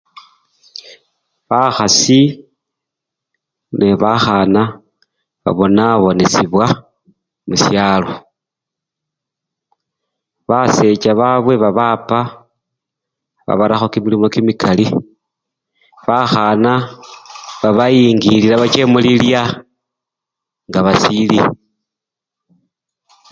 Bakhasi nende bakhana babonabonisyibwa musyalo, basecha babwe babapa, babarakho kimilimo kimikali, bakhana babayingilila bache mulilya nga basili.